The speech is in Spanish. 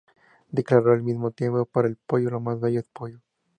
Declaró al mismo tiempo: "Para el pollo lo más bello es pollo".